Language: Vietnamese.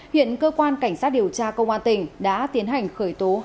hiện cơ quan cảnh sát điều tra công an tỉnh đã tiến hành khởi tố